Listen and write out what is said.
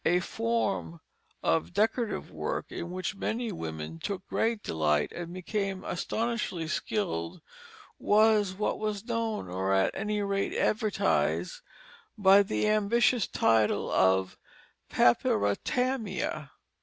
A form of decorative work in which many women took great delight and became astonishingly skilful was what was known, or at any rate advertised, by the ambitious title of Papyrotamia.